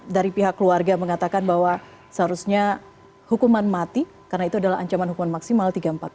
dari pihak keluarga mengatakan bahwa seharusnya hukuman mati karena itu adalah ancaman hukuman maksimal tiga ratus empat puluh lima